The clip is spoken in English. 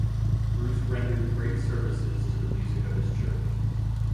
Bruce rendered great services to the music of his church.